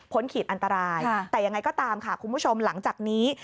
ขีดอันตรายแต่ยังไงก็ตามค่ะคุณผู้ชมหลังจากนี้